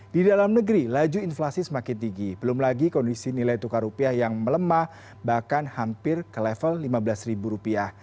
di dalam negeri laju inflasi semakin tinggi belum lagi kondisi nilai tukar rupiah yang melemah bahkan hampir ke level lima belas ribu rupiah